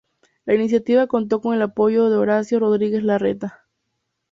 La iniciativa contó con el apoyo de Horacio Rodríguez Larreta.